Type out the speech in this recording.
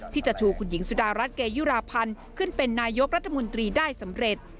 ที่จะชูคุณหญิงสุดารัฐเกยุราพันธ์ขึ้นเป็นนายกรัฐมนตรีได้สำเร็จ